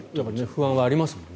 不安はありますもんね。